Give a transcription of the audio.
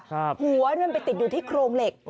หัวมันไปติดอยู่ที่โครงเหล็ก